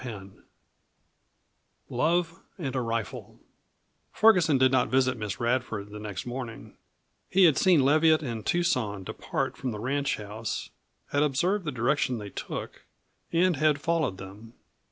CHAPTER XX LOVE AND A RIFLE Ferguson did not visit Miss Radford the next morning he had seen Leviatt and Tucson depart from the ranchhouse, had observed the direction they took, and had followed them.